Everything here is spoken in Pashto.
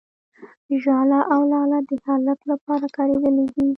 ، ژاله او لاله د هلک لپاره کارېدلي دي.